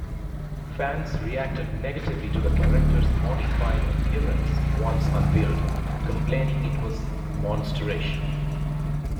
Fans reacted negatively to the character's modified appearance once unveiled, complaining it was "monster-ish".